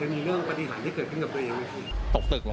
มีเรื่องปฏิหารที่เกิดขึ้นกับนายอย่างไรครับ